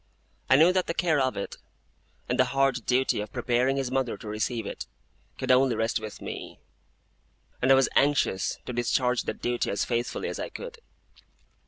I knew that the care of it, and the hard duty of preparing his mother to receive it, could only rest with me; and I was anxious to discharge that duty as faithfully as I could.